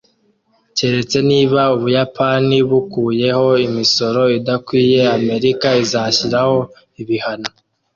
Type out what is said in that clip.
Keretse niba Ubuyapani bukuyeho imisoro idakwiye, Amerika izashyiraho ibihano